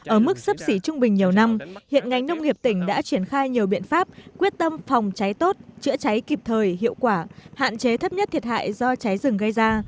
ở mức sấp xỉ trung bình nhiều năm hiện ngành nông nghiệp tỉnh đã triển khai nhiều biện pháp quyết tâm phòng cháy tốt chữa cháy kịp thời hiệu quả hạn chế thấp nhất thiệt hại do cháy rừng gây ra